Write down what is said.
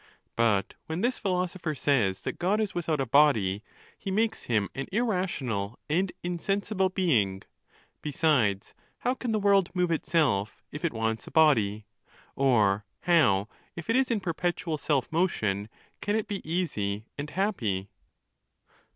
Biit when this philosopher says that God is without a body, he makes him an irrational and insensible being. Besides, how can the world move itself, if it wants a body? Or how, if it is in perpetual self motion, can it be easy and happy?